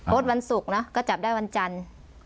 วันศุกร์นะก็จับได้วันจันทร์